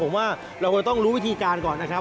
ผมว่าเราควรต้องรู้วิธีการก่อนนะครับ